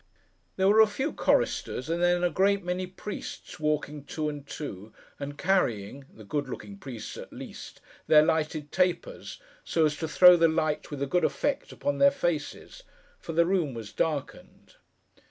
There were a few choristers, and then a great many priests, walking two and two, and carrying—the good looking priests at least—their lighted tapers, so as to throw the light with a good effect upon their faces: for the room was darkened.